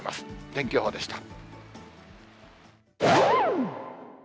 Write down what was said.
天気予報でした。